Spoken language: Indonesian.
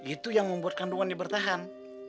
itu yang membuat kandungannya bertahan